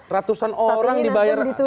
ratusan orang dibayar